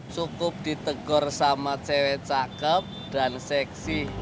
cukup ditegur sama cewek cakep dan seksi